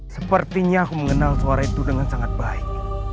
sepertinya aku mengenal suara itu dengan sangat baik